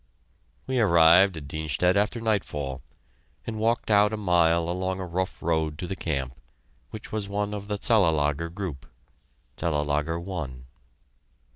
We arrived at Dienstedt after nightfall, and walked out a mile along a rough road to the camp, which was one of the Cellelager group Cellelager I.